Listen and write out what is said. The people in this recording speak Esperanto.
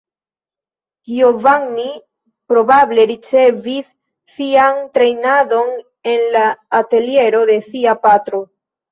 Giovanni probable ricevis sian trejnadon en la ateliero de sia patro.